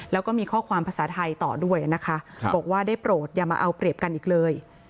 แล้วก็มีข้อความภาษาไทยต่อด้วยนะคะบอกว่าได้โปรดอย่ามาเอาเปรียบกันอีกเลย